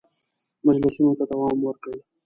مجلسونو ته دوام ورکړ.